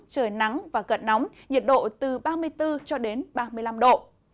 trời nắng và gần nóng nhiệt độ từ ba mươi bốn ba mươi năm độ